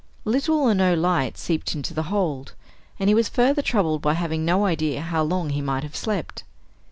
Little or no light seeped into the hold, and he was further troubled by having no idea how long he might have slept.